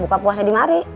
buka puasa di hari